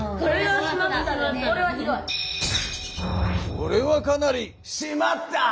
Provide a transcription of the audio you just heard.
これはかなり「しまった！」